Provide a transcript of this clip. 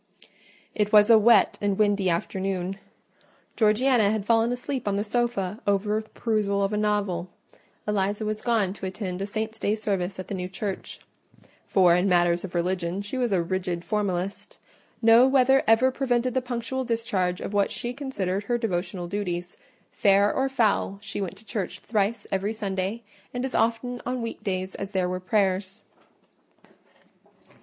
It was a wet and windy afternoon: Georgiana had fallen asleep on the sofa over the perusal of a novel; Eliza was gone to attend a saint's day service at the new church—for in matters of religion she was a rigid formalist: no weather ever prevented the punctual discharge of what she considered her devotional duties; fair or foul, she went to church thrice every Sunday, and as often on week days as there were prayers.